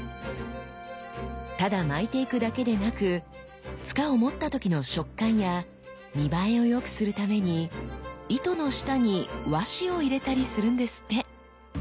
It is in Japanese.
ただ巻いていくだけでなく柄を持った時の触感や見栄えを良くするために糸の下に和紙を入れたりするんですって。